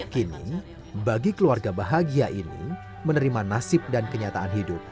kini bagi keluarga bahagia ini menerima nasib dan kenyataan hidup